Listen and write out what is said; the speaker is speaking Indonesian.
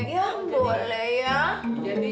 ya boleh ya